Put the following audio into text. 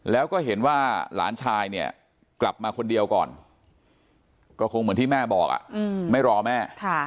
แล้วก็เห็นว่าหลานชายเนี่ยกลับมาคนเดียวก่อนก็คงเหมือนที่แม่บอกไม่รอแม่